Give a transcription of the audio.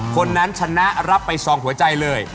คนนั้นชนะรับไป๒หัวใจเลย